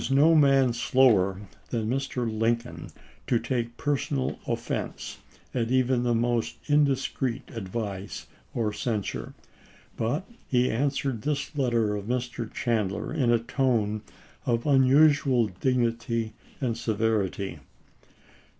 no man slower than Mr. Lincoln to take personal offense at even the most indiscreet advice or cen sure ; but he answered this letter of Mr. Chandler in a tone of unusual dignity and severity.